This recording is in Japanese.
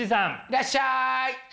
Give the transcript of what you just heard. いらっしゃい！